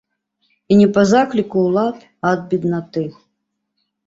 І не па закліку ўлад, а ад беднаты.